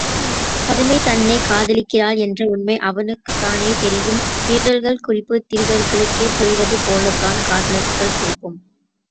பதுமை தன்னைக் காதலிக்கிறாள் என்ற உண்மை அவனக்குத்தானே தெரியும் திருடர்கள் குறிப்புத் திருடர்களுக்கே புரிவது போலத்தான், காதலர்கள் குறிப்பும்.